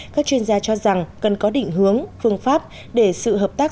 các chuyên gia cho rằng cần có định hướng phương pháp để sự hợp tác